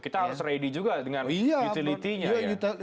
kita harus ready juga dengan utility nya